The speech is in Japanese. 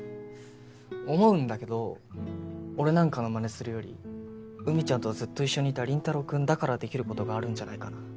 思うんだけど俺なんかのマネするよりうみちゃんとずっと一緒にいた林太郎君だからできることがあるんじゃないかな？